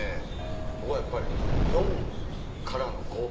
僕はやっぱり４からの５。